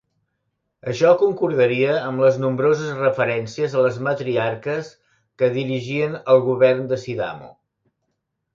Això concordaria amb les nombroses referències a les matriarques que dirigien el govern de Sidamo.